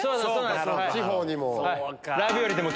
地方にも。